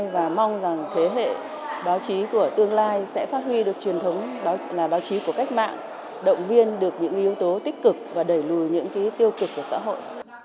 và mong rằng thế hệ báo chí của tương lai sẽ phát huy được truyền thống đó là báo chí của cách mạng động viên được những yếu tố tích cực và đẩy lùi những tiêu cực của xã hội